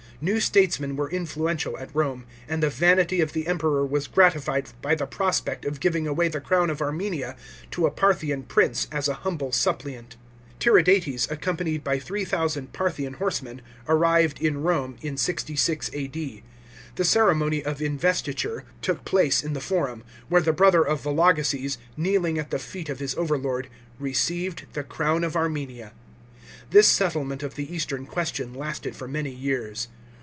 New statesmen were influential at Rome, and the vanity of the Empevor was gratified by the prospect of giving away the crown of Armenia to a Parthian prince as a humble suppliant. Tiridates, accompanied by 3000 Parthian horsemen, arrived in Rome in 66 A.D. The ceremony of investiture took place in the Forum, where the brother of Vologeses, kneeling at the feet of his overlord, received the crown of Armenia. This settlement of the eastern question lasted for many years.